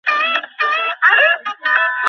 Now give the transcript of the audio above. এখন উকিলের রুমাল দিয়ে বাতাস করছেন।